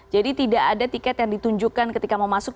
jadi tidak ada tiket yang ditunjukkan ketika mau masuk